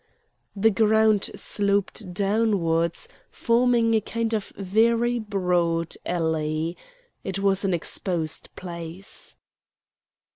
The ground sloped downwards, forming a kind of very broad valley. It was an exposed place.